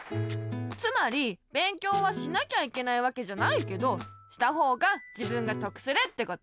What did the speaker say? つまり勉強はしなきゃいけないわけじゃないけどしたほうが自分がとくするってこと。